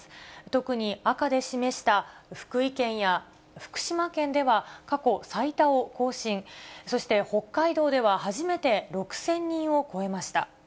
特に赤で示した福井県や福島県では、過去最多を更新、そして北海道では初めて６０００人を超えました。